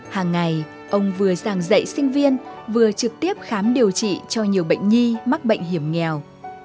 hàng ngày ông vừa giảng dạy sinh viên vừa trực tiếp khám điều trị cho nhiều bệnh nhi mắc bệnh hiểm nghèo